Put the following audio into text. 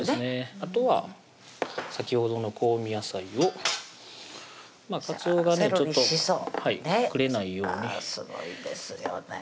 あとは先ほどの香味野菜をかつおがねちょっと隠れないようにすごいですよね